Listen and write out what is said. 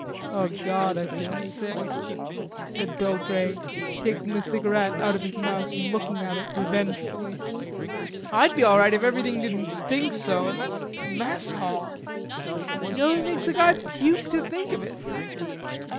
"O God, I feel sick," said Bill Grey, taking the cigarette out of his mouth and looking at it revengefully. "I'd be all right if everything didn't stink so. An' that mess hall. Nearly makes a guy puke to think of it."